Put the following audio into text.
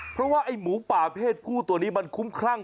เพราะว่าไอ้หมูป่าเพศผู้ตัวนี้มันคุ้มครั่ง